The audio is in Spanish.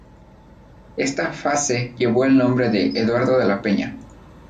Esta fase llevó el nombre de "Eduardo De la Peña".